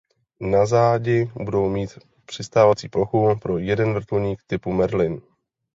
Na zádi budou mít přistávací plochu pro jeden vrtulník typu Merlin.